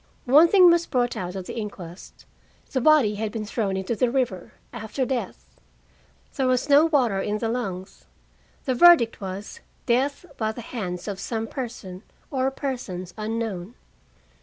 One thing was brought out at the inquest: the body had been thrown into the river after death. There was no water in the lungs. The verdict was "death by the hands of some person or persons unknown."